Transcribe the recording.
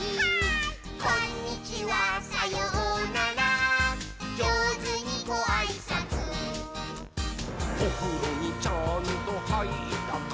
「こんにちはさようならじょうずにごあいさつ」「おふろにちゃんとはいったかい？」はいったー！